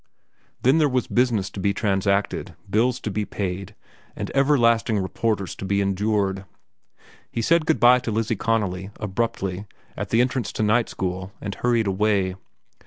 Then there was business to be transacted, bills to be paid, and everlasting reporters to be endured. He said good by to Lizzie Connolly, abruptly, at the entrance to night school, and hurried away.